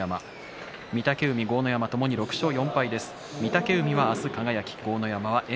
御嶽海の豪ノ山ともに６勝４敗です。